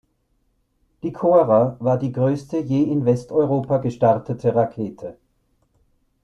Die Cora war die größte je in Westeuropa gestartete Rakete.